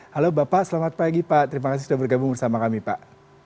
halo bapak selamat pagi pak terima kasih sudah bergabung bersama kami pak